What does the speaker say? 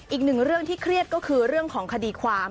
อีกหนึ่งเรื่องที่เครียดก็คือเรื่องของคดีความ